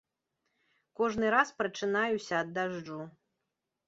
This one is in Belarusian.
Кожны раз прачынаюся ад дажджу.